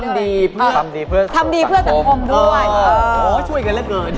ทำดีเพื่อสังคมด้วยช่วยเงินและเงิน